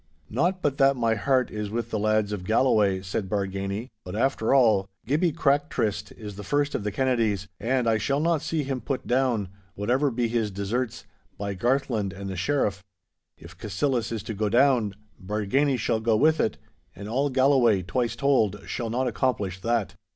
'Not but that my heart is with the lads of Galloway,' said Bargany, 'but after all, Gibby Crack tryst is the first of the Kennedies, and I shall not see him put down, whatever be his deserts, by Garthland and the Sheriff. If Cassillis is to go down, Bargany shall go with it; and all Galloway, twice told, shall not accomplish that!